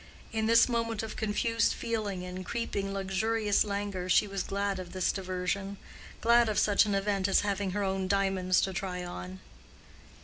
In this moment of confused feeling and creeping luxurious languor she was glad of this diversion—glad of such an event as having her own diamonds to try on.